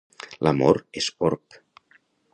L'amor és orb.